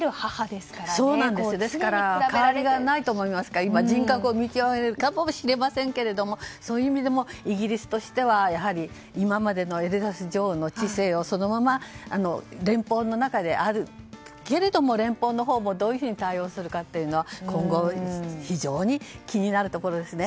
ですから代わりがいないと思いますから今、人格を見極めるところかもしれませんがそういう意味でもイギリスとしては今までのエリザベス女王の治世をそのまま連邦の中であるけれども連邦のほうもどういうふうに対応するかは今後非常に気になるところです。